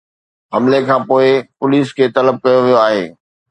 حملي کانپوءِ پوليس کي طلب ڪيو ويو آهي